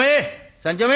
３丁目！